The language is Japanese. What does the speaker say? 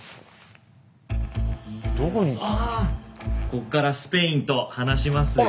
ここからスペインと話しますよ。